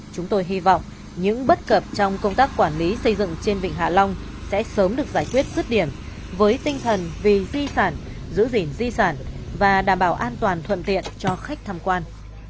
chúng tôi hy vọng những bất cập trong công tác quản lý xây dựng trên vịnh hạ long sẽ sớm được giải quyết rứt điểm với tinh thần vì di sản giữ gìn di sản và đảm bảo an toàn thuận tiện cho khách tham quan